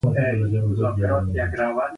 د دریو سېلابونو خبره خو بیخي نشته.